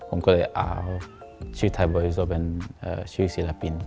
ผมก็เลยเอาชื่อไทยบริโซเป็นชื่อศิลปิน